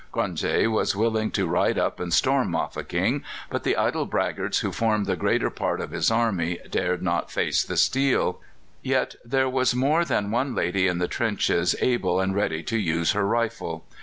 Cronje was willing to ride up and storm Mafeking, but the idle braggarts who formed the greater part of his army dared not face the steel; yet there was more than one lady in the trenches able and ready to use her rifle.